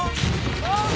あっ！